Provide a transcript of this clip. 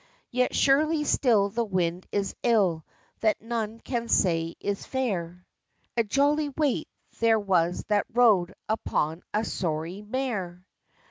Yet surely still the wind is ill That none can say is fair; A jolly wight there was, that rode Upon a sorry mare!